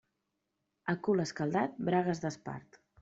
A cul escaldat, bragues d'espart.